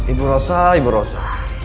ibu rosa ibu rosa